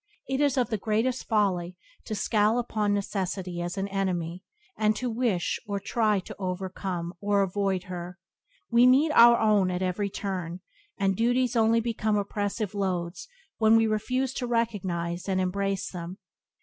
It is of the greatest folly to scowl upon necessity as an enemy, and to wish or try to overcome or avoid her. We meet our own at every turn, and duties only become oppressive loads when we refuse to recognize and embrace them.